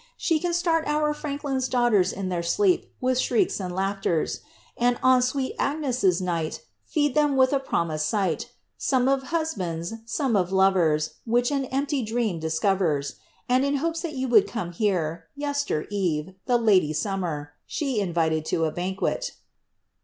She oan start our franklins' daughters In their sleep with shrieks and laughtarii And on sweet St Agnes* night Feed them widi a promised sight Some of husbands, some of lovers. Which an empty dream discovers; And in hopes that yt>u would come here, Yester eve, the lady Summer,* She invited to a banquet.